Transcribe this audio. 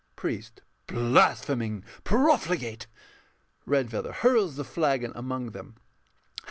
_] PRIEST. Blaspheming profligate! REDFEATHER [_hurls the flagon among them.